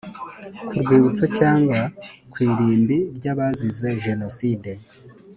ku rwibutso cyangwa ku irimbi ry abazize jenoside